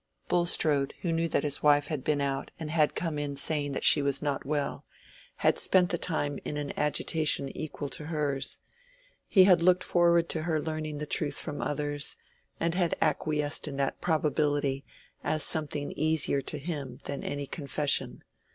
Bulstrode, who knew that his wife had been out and had come in saying that she was not well, had spent the time in an agitation equal to hers. He had looked forward to her learning the truth from others, and had acquiesced in that probability, as something easier to him than any confession.